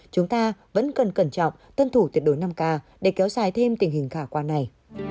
chúng ta vẫn cần cẩn trọng tuân thủ tuyệt đối năm k để kéo dài thêm tình hình khả quan này